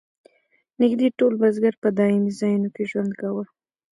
نږدې ټول بزګر په دایمي ځایونو کې ژوند کاوه.